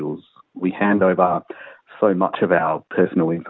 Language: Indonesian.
kami menyerahkan banyak informasi personal kami